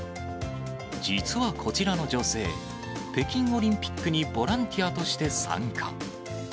実はこちらの女性、北京オリンピックにボランティアとして参加。